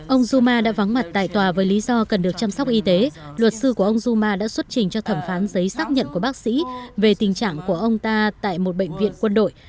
ông duma đã vắng mặt tại tòa với lý do cần được chăm sóc y tế luật sư của ông duma đã xuất trình cho thẩm phán giấy xác nhận của bác sĩ về tình trạng của ông ta tại một bệnh viện quân đội